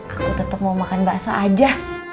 aku tetap mau makan bakso aja